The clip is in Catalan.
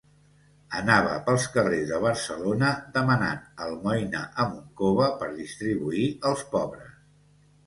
Anava pels carrers de Barcelona demanant almoina amb un cove per distribuir als pobres.